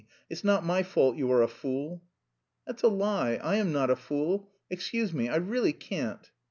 it's not my fault you are a fool." "That's a lie, I am not a fool. Excuse me, I really can't..."